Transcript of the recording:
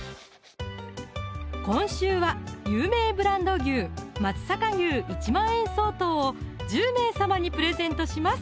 今週は有名ブランド牛松阪牛１万円相当を１０名様にプレゼントします